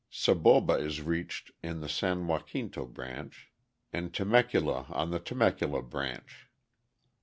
Saboba is reached on the San Jacinto branch, and Temecula on the Temecula branch.